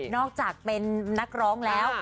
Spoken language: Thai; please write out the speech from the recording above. อกจากเป็นนักร้องแล้ว